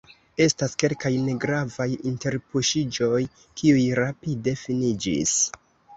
Estas kelkaj negravaj interpuŝiĝoj, kiuj rapide finiĝis.